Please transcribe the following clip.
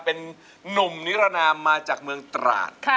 เป็นนุ่มนิรนามมาจากเมืองตราด